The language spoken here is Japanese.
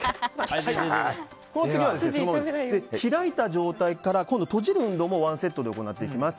この次は、開いた状態から今度、閉じる運動もワンセットで行っていきます。